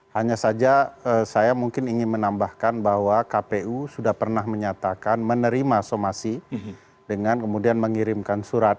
hanya saja saya mungkin ingin menambahkan bahwa kpu sudah pernah menyatakan menerima somasi dengan kemudian mengirimkan surat